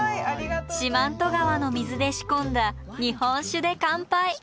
四万十川の水で仕込んだ日本酒で乾杯。